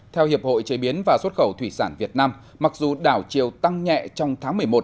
theo hiệp hội chế biến và xuất khẩu thủy sản việt nam mặc dù đảo chiều tăng nhẹ trong tháng một mươi một